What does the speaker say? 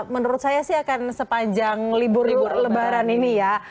menurut saya sih akan sepanjang libur libur lebaran ini ya